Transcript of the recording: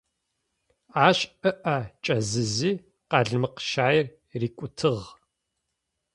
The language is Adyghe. Ащ ыӀэ кӏэзызи, къалмыкъ щаир рикӀутыгъ.